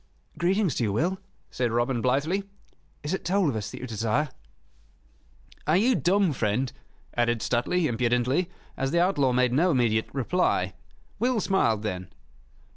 "Greetings to you, Will," said Robin, blithely. "Is it toll of us that you desire?" "Are you dumb, friend?" added Stuteley, impudently, as the outlaw made no immediate reply. Will smiled then.